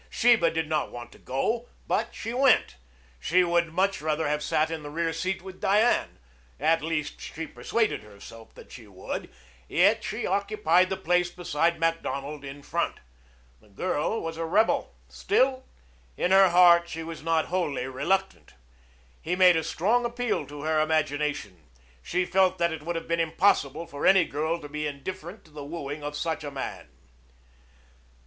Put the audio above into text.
Sheba did not want to go, but she went. She would much rather have sat in the rear seat with Diane, at least, she persuaded herself that she would, yet she occupied the place beside Macdonald in front. The girl was a rebel. Still, in her heart, she was not wholly reluctant. He made a strong appeal to her imagination. She felt that it would have been impossible for any girl to be indifferent to the wooing of such a man.